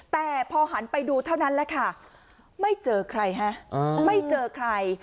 แต่พอหันไปดูเท่านั้นแหละค่ะไม่เจอใครฮะไม่เจอใคร